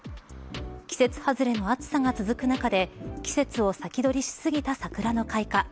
季節外れの暑さが続く中で季節を先取りし過ぎた桜の開花。